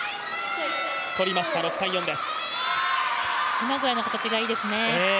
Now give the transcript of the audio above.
今ぐらいの形がいいですね。